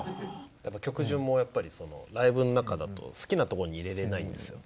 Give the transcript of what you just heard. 曲順もライブの中だと好きなとこに入れれないんですよ。